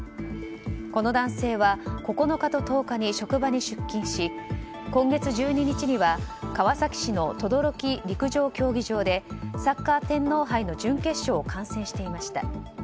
この男性は９日と１０日に職場に出勤し今月１２日には川崎市の等々力陸上競技場でサッカー天皇杯の準決勝を観戦していました。